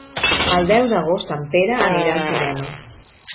El deu d'agost en Pere anirà al cinema.